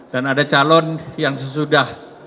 dan ada calon yang sesudah